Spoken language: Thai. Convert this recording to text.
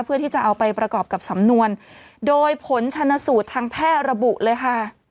เพื่อที่จะเอาไปประกอบกับสำนวนโดยผลชนสูตรทางแพทย์ระบุเลยค่ะ